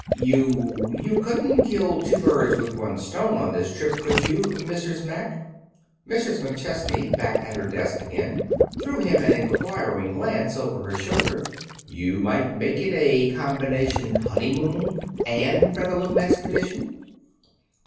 "You you couldn't kill two birds with one stone on this trip, could you, Mrs. Mack?" Mrs. McChesney, back at her desk again, threw him an inquiring glance over her shoulder. "You might make it a combination honeymoon and Featherloom expedition."